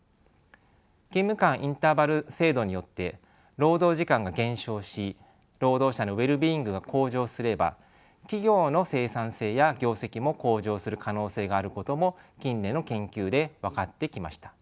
勤務間インターバル制度によって労働時間が減少し労働者のウェルビーイングが向上すれば企業の生産性や業績も向上する可能性があることも近年の研究で分かってきました。